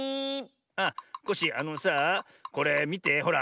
あっコッシーあのさあこれみてほら。